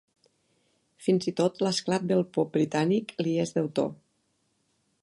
Fins i tot l'esclat del pop britànic li és deutor.